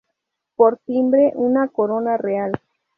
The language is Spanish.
Por timbre, una corona real.